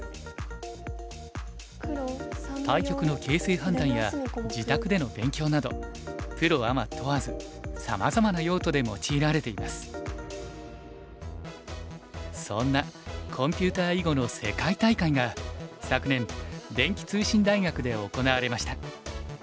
対局の形勢判断や自宅での勉強などプロアマ問わずそんなコンピュータ囲碁の世界大会が昨年電気通信大学で行われました。